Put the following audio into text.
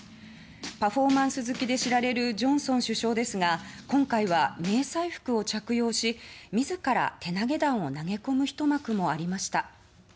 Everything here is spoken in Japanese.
パフォーマンス好きで知られるジョンソン首相ですが今回は迷彩服を着用し自ら、手投げ弾を投げ込む一幕もありました。